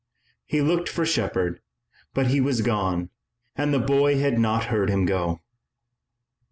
He looked for Shepard, but he was gone and the boy had not heard him go.